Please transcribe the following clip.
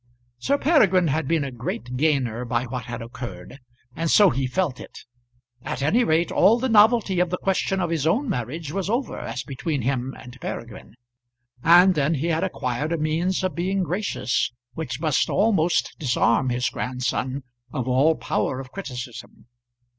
Sir Peregrine had been a great gainer by what had occurred, and so he felt it. At any rate all the novelty of the question of his own marriage was over, as between him and Peregrine; and then he had acquired a means of being gracious which must almost disarm his grandson of all power of criticism.